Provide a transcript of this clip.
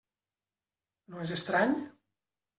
No és estrany?